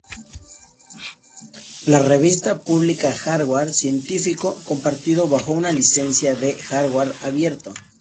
La revista publica hardware científico, compartido bajo una licencia de hardware abierto.